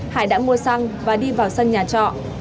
hải đã mua xăng và đi vào sân nhà trọ